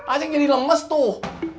ajeng jadi lemes tuh